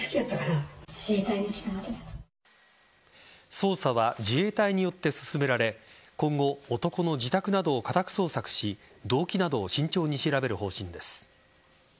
捜査は自衛隊によって進められ今後、男の自宅などを家宅捜索し動機などを慎重に調べる方針です。